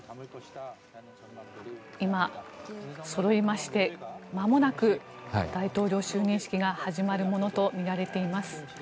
今、そろいましてまもなく大統領就任式が始まるものとみられています。